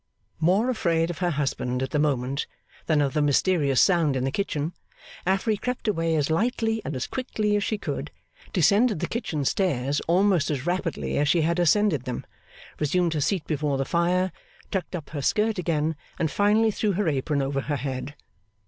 More afraid of her husband at the moment than of the mysterious sound in the kitchen, Affery crept away as lightly and as quickly as she could, descended the kitchen stairs almost as rapidly as she had ascended them, resumed her seat before the fire, tucked up her skirt again, and finally threw her apron over her head.